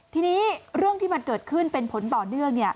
ทีนี้เรื่องที่มันเกิดขึ้นเป็นผลต่อเนื่อง